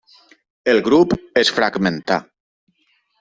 El grup es fragmentà.